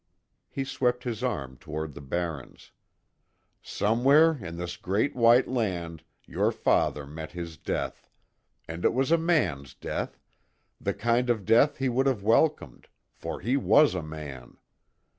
He swept his arm toward the barrens, "Somewhere in this great white land your father met his death and it was a man's death the kind of death he would have welcomed for he was a man!